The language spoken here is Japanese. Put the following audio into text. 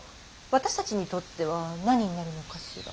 私たちにとっては何になるのかしら。